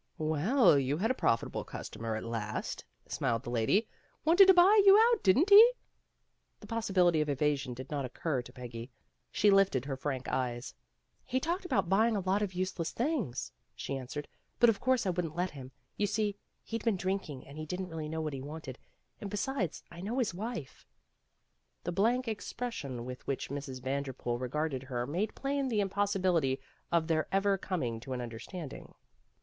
"Well, you had a profitable customer at last," smiled the lady. "Wanted to buy you out, didn't he I" The possibility of evasion did not occur to Peggy. She lifted her frank eyes. "He 84 PEGGY RAYMOND'S WAY talked about buying a lot of useless things," she answered, "but of course I wouldn't let him. You see, he'd been drinking and he didn't really know what he wanted. And besides, I know his wife." The blank expression with which Mrs. Van derpool regarded her made plain the impos sibility of their ever coming to an understand ing.